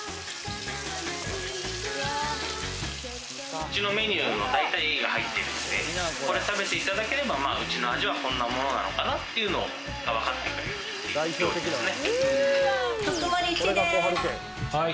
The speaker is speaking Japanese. うちのメニューの大体が入ってるんで、これ食べていただければ、うちの味は、こんなものなのかなっていうのがわかってくれる料理ですね。